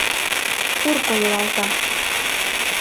Ур койылалта.